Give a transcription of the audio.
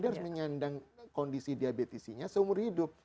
dia harus menyandang kondisi diabetesnya seumur hidup